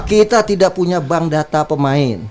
kita tidak punya bank data pemain